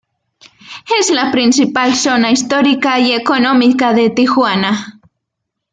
Es la principal zona histórica y económica de Tijuana.